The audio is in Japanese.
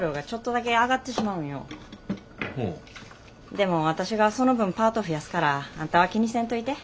でも私がその分パート増やすからあんたは気にせんといて。